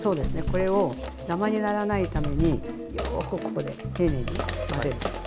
これをダマにならないためによくここで丁寧に混ぜる。